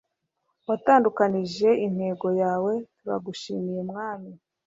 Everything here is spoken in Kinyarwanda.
Watandukanije intego yawe Turagushimiye Mwami